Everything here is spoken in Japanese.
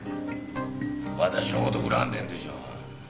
私の事恨んでるんでしょう。